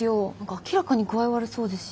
明らかに具合悪そうですし。